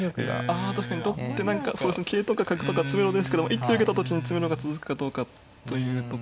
あ確かに取って何かそうですね桂とか角とか詰めろですけども一手受けた時に詰めろが続くかどうかというところがあるので。